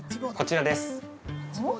こちらです